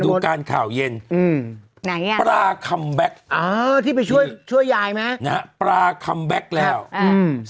ดูการข่าวเย็นอืมไหนอ่ะปลาคัมแบ็คอ่าที่ไปช่วยช่วยยายไหมนะฮะปลาคัมแบ็คแล้วอืม